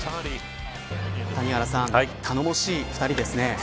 谷原さん、頼もしい２人ですね。